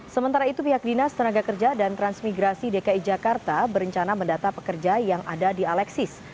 sementara itu pihak dinas tenaga kerja dan transmigrasi dki jakarta berencana mendata pekerja yang ada di alexis